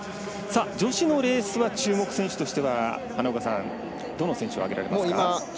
女子のレースは注目選手としては、花岡さんはどの選手を挙げられますか。